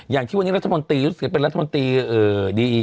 อย่างที่วันนี้รัฐมนตรียุติเป็นรัฐมนตรีดีอี